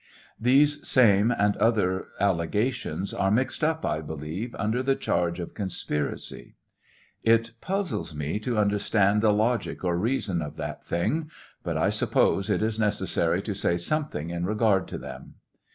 These same and other allegations are mixed up, I believe, under the charge of conspiracy. It puzzles me to und(?rstand the logic or reason of that thing. But I suppose it is necessary to say something in regard to them.